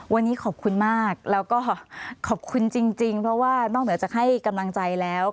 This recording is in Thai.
วันนี้ขอบคุณมากแล้วก็ขอบคุณจริงเพราะว่านอกเหนือจากให้กำลังใจแล้ว